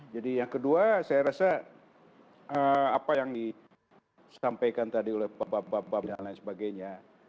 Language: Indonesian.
jadi yang kedua saya rasa apa yang disampaikan tadi oleh bapak bapak dan lain sebagainya